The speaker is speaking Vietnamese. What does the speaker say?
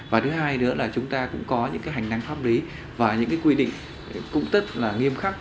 và thứ hai nữa là chúng ta cũng có những hành năng pháp lý và những quy định cũng rất là nghiêm khắc